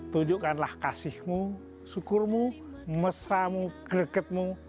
tunjukkanlah kasihmu syukurmu mesramu gregetmu